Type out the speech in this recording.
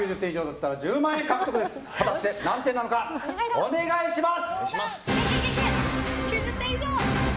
果たして何点なのかお願いします。